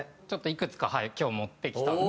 ちょっといくつか今日持ってきた。